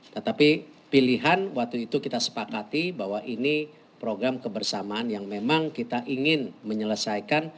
tetapi pilihan waktu itu kita sepakati bahwa ini program kebersamaan yang memang kita ingin menyelesaikan